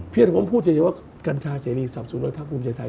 เพียงแต่ผมพูดเฉยว่ากัญชาเสรีสับสนโดยภาคภูมิใจไทย